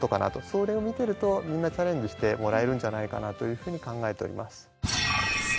それを見てるとみんなチャレンジしてもらえるんじゃないかなというふうに考えております。